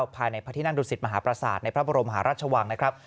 ภายในพระที่นั่งดุสิตมหาประสาทในพระบรมหาราชวังนะครับ